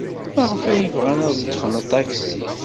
Maɣef ay bɣan ad ḍḍfen aṭaksi?